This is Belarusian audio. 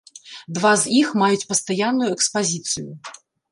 Два з іх маюць пастаянную экспазіцыю.